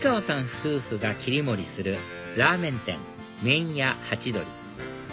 夫婦が切り盛りするラーメン店麺屋はちどり